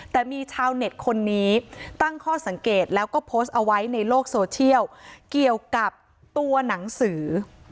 แต่มีชาวเน็ตคนนี้ตั้งข้อสังเกตแล้วก็โพสต์เอาไว้ในโลกโซเชียลเกี่ยวกับตัวหนังสือ